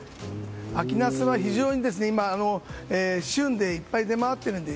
秋ナスは今、非常に旬でいっぱい出回っているので